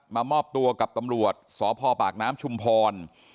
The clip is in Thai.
มามอบตัวกับตำรวจสพปากน้ำชุมพร